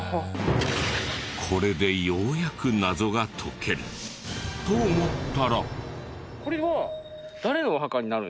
これでようやく謎が解ける。と思ったら。